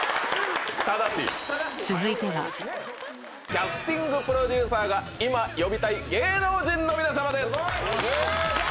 キャスティングプロデューサーが今呼びたい芸能人の皆さまです！